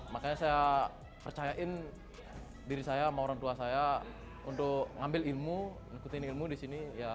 makanya saya percayain diri saya sama orang tua saya untuk ngambil ilmu ngikutin ilmu di sini